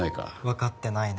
分かってないね